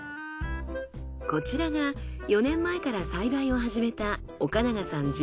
こちらが４年前から栽培を始めた岡永さん